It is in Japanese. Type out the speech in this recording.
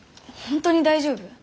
本当に大丈夫？